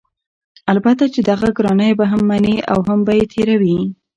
البته چې دغه ګرانی به هم مني او هم به یې تېروي؛